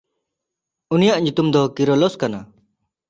ᱩᱱᱤᱭᱟᱜ ᱧᱩᱛᱩᱢ ᱫᱚ ᱠᱤᱨᱚᱞᱚᱥ ᱠᱟᱱᱟ᱾